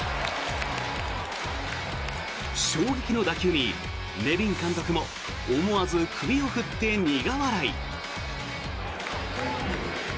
衝撃の打球に、ネビン監督も思わず首を振って苦笑い。